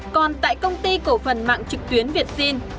còn tại công ty cổ phần mạng trực tuyến việt sinh